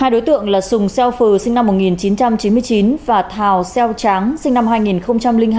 hai đối tượng là sùng seo phừ sinh năm một nghìn chín trăm chín mươi chín và thào seo tráng sinh năm hai nghìn hai